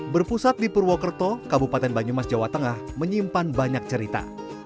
berpusat di purwokerto kabupaten banyumas jawa tengah menyimpan banyak cerita